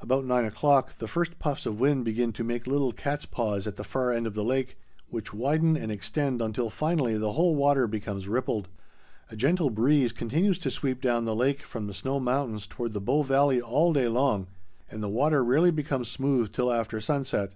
About nine o'clock, the first puffs of wind begin to make little cat's paws at the far end of the lake, which widen and extend until finally the whole water becomes rippled. A gentle breeze continues to sweep down the lake from the snow mountains toward the Bow valley all day long, and the water rarely becomes smooth till after sunset.